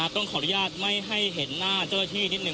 ต้องขออนุญาตไม่ให้เห็นหน้าเจ้าหน้าที่นิดนึ